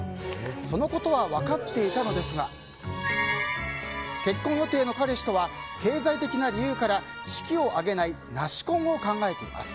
そのことは分かっていたのですが結婚予定の彼氏とは経済的な理由から式を挙げないナシ婚を考えています。